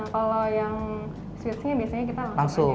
kalau yang sweet sweetnya biasanya kita langsung